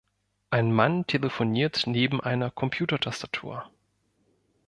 Ein Mann telefoniert neben einer Computertastatur.